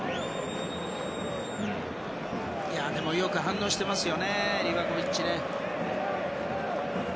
でもよく反応してますねリバコビッチ。